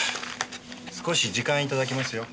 少し時間頂きますよ。